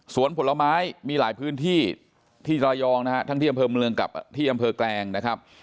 ส่วนผลไม้มีหลายพื้นที่ที่ระยองนะฮะทั้งที่อำเภอเมืองกับที่อำเภอแกลงนะครับ